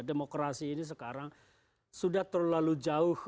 demokrasi ini sekarang sudah terlalu jauh